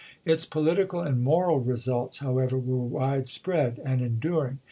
^ Its political and moral results, however, were widespread and en during.